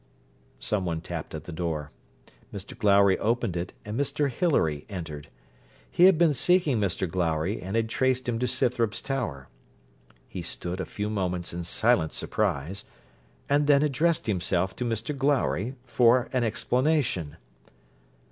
Some one tapped at the door: Mr Glowry opened it, and Mr Hilary entered. He had been seeking Mr Glowry, and had traced him to Scythrop's tower. He stood a few moments in silent surprise, and then addressed himself to Mr Glowry for an explanation.